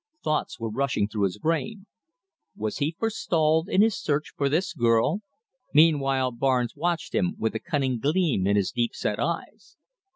Thoughts were rushing through his brain. Was he forestalled in his search for this girl? Meanwhile, Barnes watched him with a cunning gleam in his deep set eyes.